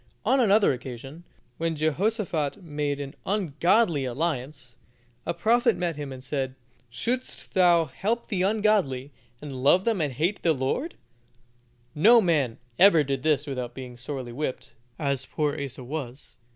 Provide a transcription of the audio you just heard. On another occasion, when Jehosophat made an ungodly alliance, a prophet met him and said, "Should'st thou help the ungodly, and love them that hate the Lord?" No man ever did this without being sorely whipped, as poor Asa was.